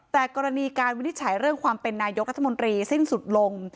แต่กรณีการวินิจฉัยเรื่องความเป็นนายกรัฐมนตรีสิ้นสุดลง